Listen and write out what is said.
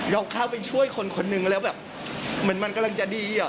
เราเข้าไปช่วยคนคนนึงแล้วแบบเหมือนมันกำลังจะดีอ่ะ